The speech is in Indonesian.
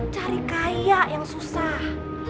cari kaya yang susah